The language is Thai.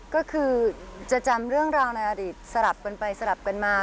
ก็คือจะจำเรื่องราวในอดีตสลับกันไปสลับกันมา